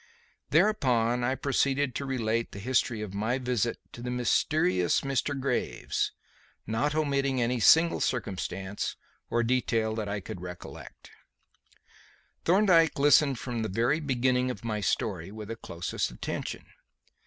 Thereupon I proceeded to relate the history of my visit to the mysterious Mr. Graves, not omitting any single circumstance or detail that I could recollect. Thorndyke listened from the very beginning of my story with the closest attention.